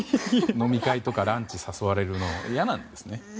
飲み会とか、ランチに誘われるの嫌なんですね。